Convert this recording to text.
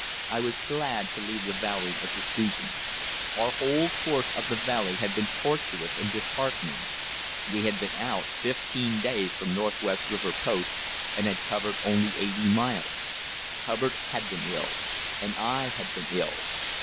I was glad to leave the valley of the Susan. Our whole course up the valley had been torturous and disheartening. We had been out fifteen days from Northwest River Post and had covered only eighty miles. Hubbard had been ill, and I had been ill.